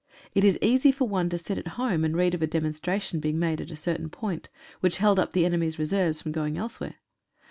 It is easy for one to sit at home and read of a demonstration being made at a certain point, which held up the enemy's reserves from going else where.